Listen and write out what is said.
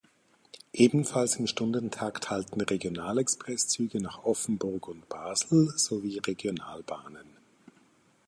Ebenfalls im Stunden-Takt halten Regional-Express-Züge nach Offenburg und Basel sowie Regionalbahnen.